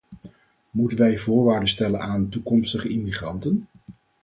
Moeten wij voorwaarden stellen aan toekomstige immigranten?